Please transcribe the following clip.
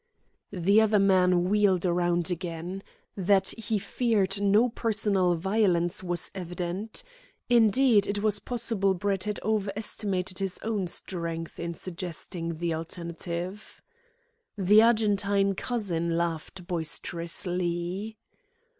The other man wheeled round again. That he feared no personal violence was evident. Indeed, it was possible Brett had over estimated his own strength in suggesting the alternative. The Argentine cousin laughed boisterously.